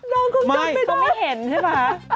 น้องก็ไม่เห็นใช่ไหมคะไม่